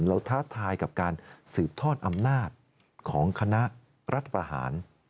ท้าทายกับการสืบทอดอำนาจของคณะรัฐประหาร